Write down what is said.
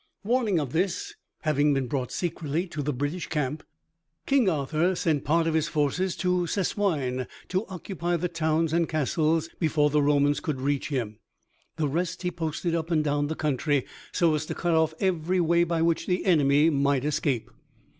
Warning of this having been brought secretly to the British camp, King Arthur sent part of his forces to Sessoigne to occupy the towns and castles before the Romans could reach him. The rest he posted up and down the country, so as to cut off every way by which the enemy might escape.